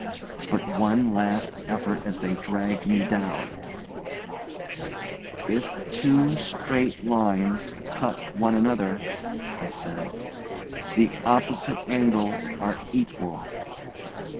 But one last effort as they dragged me down 'If two straight lines cut one another,' I said, 'the opposite angles are equal.